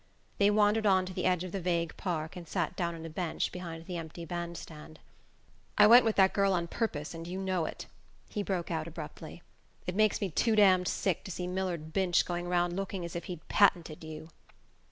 They wandered on to the edge of the vague park, and sat down on a bench behind the empty band stand. "I went with that girl on purpose, and you know it," he broke out abruptly. "It makes me too damned sick to see Millard Binch going round looking as if he'd patented you."